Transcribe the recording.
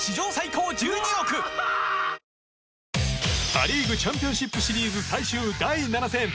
．．．ア・リーグチャンピオンシップシリーズ最終第７戦。